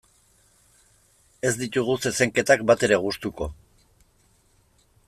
Ez ditugu zezenketak batere gustuko.